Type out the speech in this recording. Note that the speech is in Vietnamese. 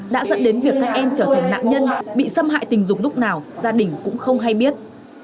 đã dẫn đến việc các em trở thành nạn nhân bị xâm hại tình dục lúc nào gia đình cũng không hay biết